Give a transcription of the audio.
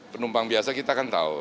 penumpang biasa kita kan tahu